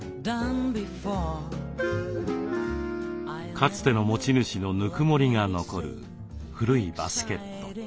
かつての持ち主のぬくもりが残る古いバスケット。